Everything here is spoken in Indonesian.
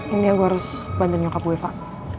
intinya gue harus bantu nyokap gue fah